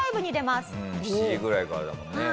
うん７時ぐらいからだもんね。